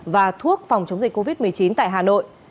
và thuốc phòng chống dịch covid một mươi chín tại hà nội